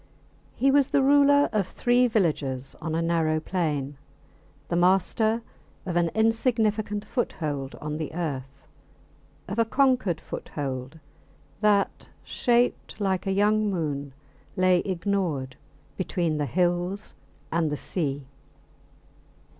He was the ruler of three villages on a narrow plain; the master of an insignificant foothold on the earth of a conquered foothold that, shaped like a young moon, lay ignored between the hills and the sea.